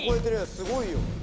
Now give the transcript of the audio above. すごいよ。